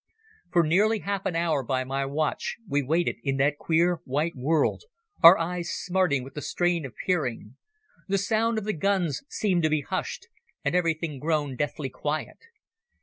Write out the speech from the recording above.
For nearly half an hour by my watch we waited in that queer white world, our eyes smarting with the strain of peering. The sound of the guns seemed to be hushed, and everything grown deathly quiet.